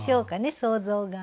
想像が。